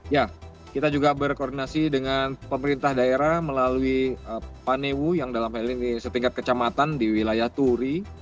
ya kita juga berkoordinasi dengan pemerintah daerah melalui panewu yang dalam hal ini setingkat kecamatan di wilayah turi